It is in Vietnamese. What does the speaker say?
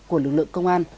của lực lượng công an